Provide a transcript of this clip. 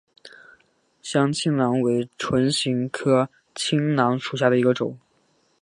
香青兰为唇形科青兰属下的一个种。